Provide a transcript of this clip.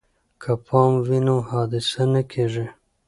که پام وي نو حادثه نه کیږي.